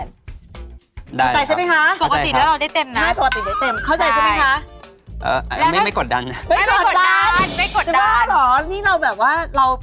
ครูใจใช่ไหมคะครูใจใช่ไหมะเออไม่กดดังสิกรและหรอ